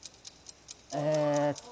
えっと。